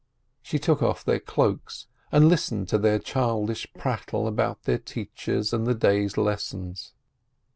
She took off their cloaks, and listened to their childish prattle about their teachers and the day's lessons.